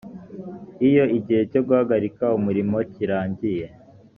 iyo igihe cyo guhagarika umurimo kirangiye